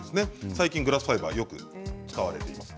最近グラスファイバーよく使われています。